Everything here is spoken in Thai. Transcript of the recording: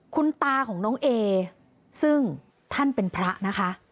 คุณตาของน้องเอซึ่งท่านเป็นพระนะคะ